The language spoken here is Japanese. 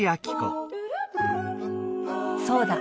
そうだ！